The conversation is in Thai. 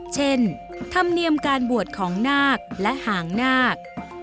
เช่นธรรมเนียมการบวชของนาคและหางนาค